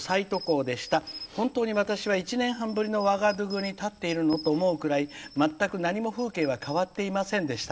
本当に１年半ぶりの地に立っているの？と思うぐらい全く何も風景は変わっていませんでした。